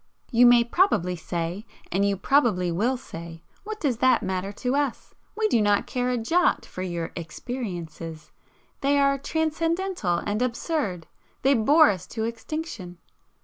You may probably say and you probably WILL say "What does that matter to us? We do not care a jot for your 'experiences' they are transcendental and absurd they bore us to extinction."